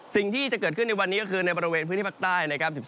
สิ่งที่จะเกิดขึ้นในวันนี้ก็คือในบริเวณพื้นที่ภาคใต้นะครับ